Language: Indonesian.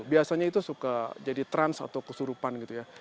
biasanya itu suka jadi trans atau kesurupan gitu ya